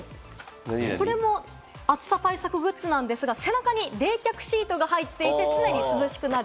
これも暑さ対策グッズなんですが、背中に冷却シートが入っていて常に涼しくなる。